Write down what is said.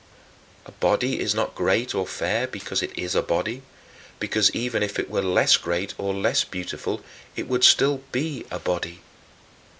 A body is not great or fair because it is a body, because, even if it were less great or less beautiful, it would still be a body.